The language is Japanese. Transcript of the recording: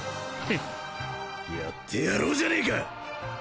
ふっやってやろうじゃねえか！